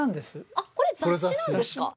あっこれ雑誌なんですか？